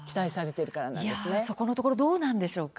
いやそこのところどうなんでしょうか？